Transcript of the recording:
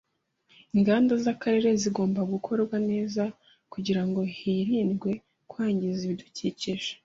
Inganda z’akarere zigomba gukorwa neza kugirango hirindwe kwangiza ibidukikije